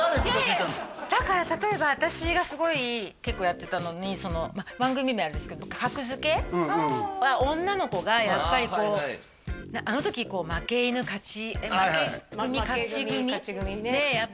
だから例えば私がすごい結構やってたのに番組名はあれですけど格付けは女の子がやっぱりこうあの時負け犬勝ちえっ？